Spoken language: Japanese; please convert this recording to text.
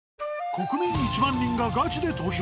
国民１万人がガチで投票！